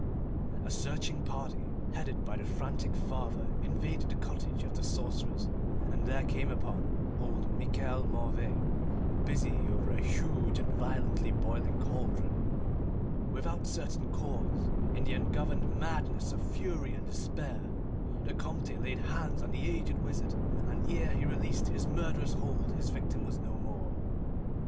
A searching party, headed by the frantic father, invaded the cottage of the sorcerers and there came upon old Michel Mauvais, busy over a huge and violently boiling cauldron. Without certain cause, in the ungoverned madness of fury and despair, the Comte laid hands on the aged wizard, and ere he released his murderous hold his victim was no more.